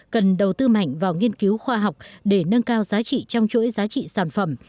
cần đầu tư mạnh vào nghiên cứu khoa học để nâng cao giá trị trong chuỗi giá trị sản phẩm